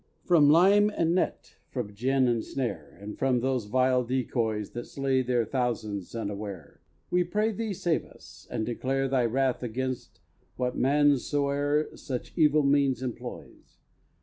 From lime and net, from gin and snare, And from those vile decoys That slay their thousands unaware, We pray thee save us, and declare Thy wrath against what man soe'er Such evil means employs.